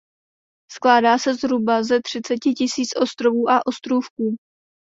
Skládá se zhruba ze třiceti tisíc ostrovů a ostrůvků.